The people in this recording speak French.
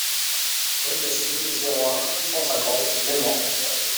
Rue de la Cîme, zéro un, cent cinquante Leyment